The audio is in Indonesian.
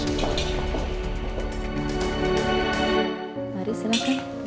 mari silahkan mas bu